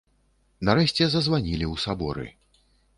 Нарэшце зазванілі ў саборы.